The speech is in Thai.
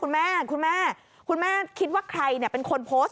คุณแม่คุณแม่คุณแม่คิดว่าใครเนี่ยเป็นคนโพสต์